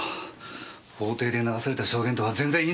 法廷で流された証言とは全然印象が違う。